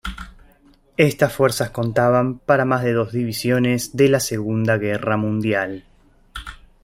Estas fuerzas contaban para más de dos divisiones de la Segunda Guerra Mundial.